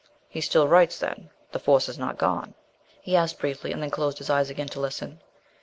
"He still writes, then? The force has not gone?" he asked briefly, and then closed his eyes again to listen.